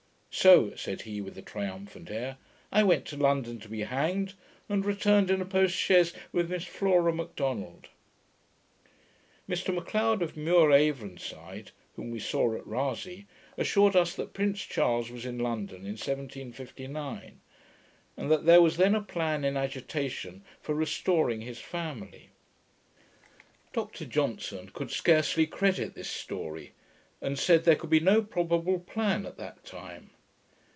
'So,' said he, with a triumphant air, 'I went to London to be hanged, and returned in a post chaise with Miss Flora Macdonald.' Mr Macleod of Muiravenside, whom we saw at Rasay, assured us that Prince Charles was in London in 1759, and that there was then a plan in agitation for restoring his family. Dr Johnson could scarcely credit this story, and said, there could be no probable plan at that time.